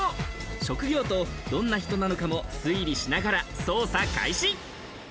職業とどんな人なのかも推理しながら捜査開始。